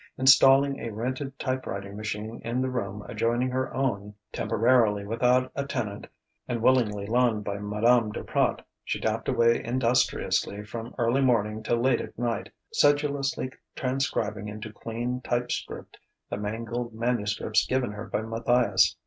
Installing a rented type writing machine in the room adjoining her own (temporarily without a tenant and willingly loaned by Madame Duprat) she tapped away industriously from early morning till late at night, sedulously transcribing into clean type script the mangled manuscripts given her by Matthias.